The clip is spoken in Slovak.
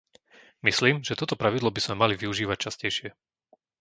Myslím, že toto pravidlo by sme mali využívať častejšie.